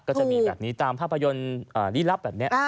ก็จะมีแบบนี้ตามภาพยนตร์ลี้ลับแบบนี้